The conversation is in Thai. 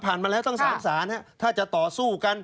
ผ่านมาแล้วต้องสารสารครับถ้าจะต่อสู้กัน